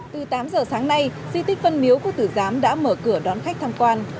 từ tám giờ sáng nay di tích văn miếu quốc tử giám đã mở cửa đón khách tham quan